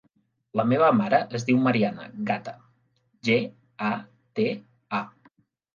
La meva mare es diu Mariana Gata: ge, a, te, a.